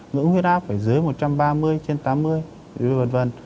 ngưỡng huyết áp phải dưới một trăm ba mươi trên tám mươi